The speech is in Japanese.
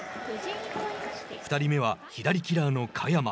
２人目は左キラーの嘉弥真。